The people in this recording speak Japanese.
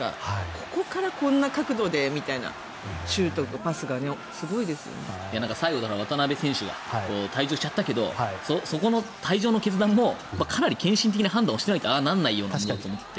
ここからこんな角度でみたいなシュートとかパスとか最後、渡邊選手が退場したけどそこの退場の決断もかなり献身的な判断をしないとああならないよなと思って。